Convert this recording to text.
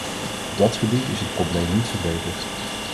Op dat gebied is het probleem niet verbeterd.